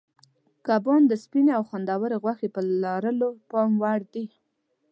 کبان د سپینې او خوندورې غوښې په لرلو پام وړ دي.